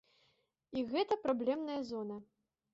І гэта праблемная зона.